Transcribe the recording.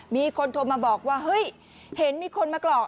มีคนโทรมาบอกว่าเฮ้ยเห็นมีคนมาหลอก